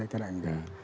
oke saya kira enggak